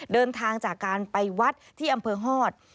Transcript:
เดินทางจากการไปวัดที่อำเภอฮอต